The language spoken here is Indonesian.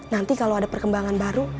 nanti kalau ada perkembangan baru